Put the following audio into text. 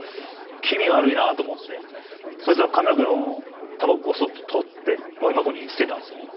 気味悪いなと思ってそいつは髪の毛の束をごそっと取ってごみ箱に捨てたんですよね。